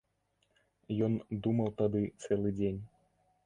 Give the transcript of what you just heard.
Ён думаў тады цэлы дзень.